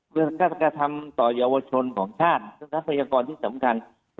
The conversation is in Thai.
กฎศักดิ์ธรรมต่อยาวชนของชาติซึ่งการพยากรที่สำคัญ